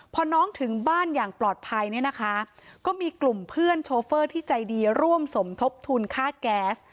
พอน้องถึงบ้านอย่างปลอดภัยเนี่ยนะคะก็มีกลุ่มเพื่อนโชเฟอร์ที่ใจดีร่วมสมทบทุนค่าแก๊ส